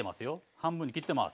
半分に切ってます。